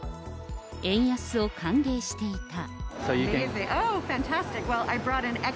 円安を歓迎していた。